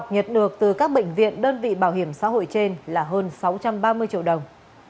nhận được từ các bệnh viện đơn vị bảo hiểm xã hội trên là hơn sáu trăm ba mươi triệu đồng